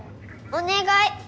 お願い！